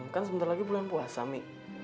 kan sebentar lagi bulan puasa mik